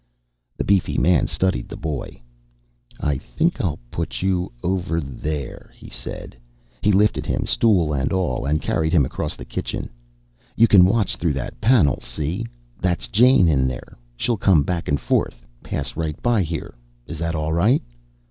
The beefy man studied the boy. "I think I'll put you over there," he said. He lifted him, stool and all, and carried him across the kitchen. "You can watch through that panel. See? That's Jane in there. She'll come back and forth, pass right by here. Is that all right?"